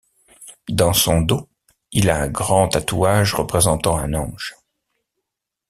Dans son dos, il a un grand tatouage représentant un ange.